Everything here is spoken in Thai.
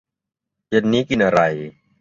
เย็นนี้กินอะไร